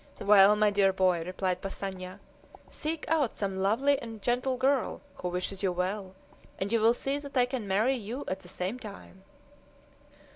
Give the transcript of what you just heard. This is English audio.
"Well, my dear boy," replied Passanha, "seek out some lovely and gentle girl who wishes you well, and you will see that I can marry you at the same time!"